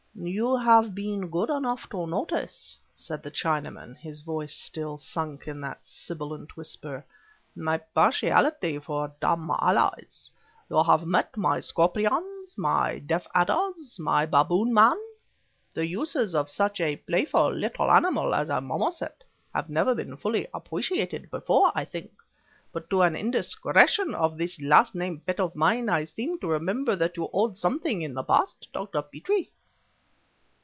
"You have been good enough to notice," said the Chinaman, his voice still sunk in that sibilant whisper, "my partiality for dumb allies. You have met my scorpions, my death adders, my baboon man. The uses of such a playful little animal as a marmoset have never been fully appreciated before, I think, but to an indiscretion of this last named pet of mine, I seem to remember that you owed something in the past, Dr. Petrie..."